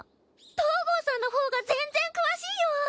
東郷さんの方が全然詳しいよ。